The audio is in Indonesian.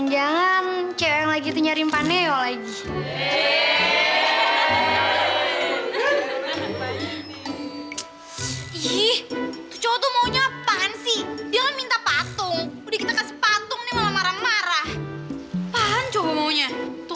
jangan jangan cewek yang lagi itu nyari pak neo lah